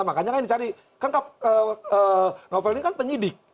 makanya kan dicari kan novel ini kan penyidik